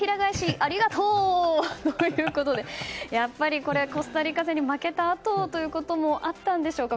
ありがとう！」ということでコスタリカ戦に負けたあとということもあったんでしょうか。